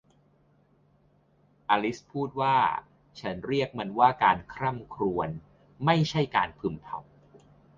อลิซพูดว่า ฉันเรียกมันว่า การคร่ำครวญ ไม่ใช่การพึมพำ